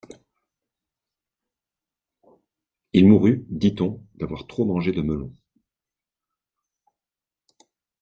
Il mourut, dit-on, d’avoir trop mangé de melons.